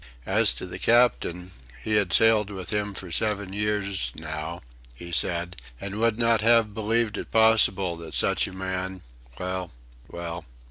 As to the Captain he had sailed with him for seven years, now, he said, and would not have believed it possible that such a man... "Well. Well...